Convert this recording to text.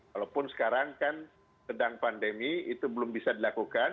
walaupun sekarang kan sedang pandemi itu belum bisa dilakukan